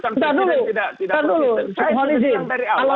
bukan dulu bukan dulu